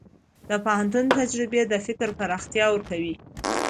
د پوهنتون تجربې د فکر پراختیا ورکوي.